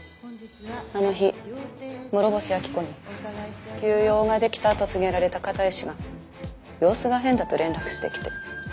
あの日諸星秋子に急用ができたと告げられた片石が様子が変だと連絡してきて。